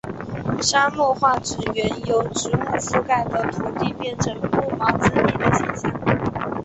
沙漠化指原由植物覆盖的土地变成不毛之地的现象。